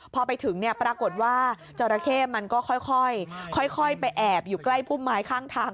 พอไปถึงเนี่ยปรากฏว่าจราเข้มันก็ค่อยไปแอบอยู่ใกล้พุ่มไม้ข้างทาง